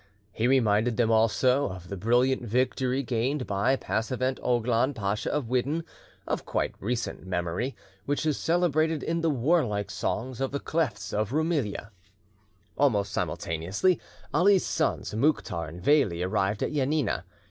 He reminded them also, of the brilliant victory gained by Passevend Oglon, Pacha of Widdin, of quite recent memory, which is celebrated in the warlike songs of the Klephts of Roumelia. Almost simultaneously, Ali's sons, Mouktar and Veli, arrived at Janina.